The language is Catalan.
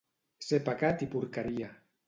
Ser pecat i porqueria.